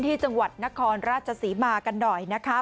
ที่จังหวัดนครราชศรีมากันหน่อยนะคะ